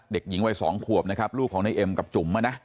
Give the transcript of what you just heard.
เด็กหญิงวัย๒ขวบนะครับลูกของในเอ็มกับจุ๋ม